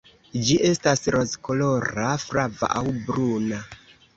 Ĝi estas rozkolora, flava aŭ bruna.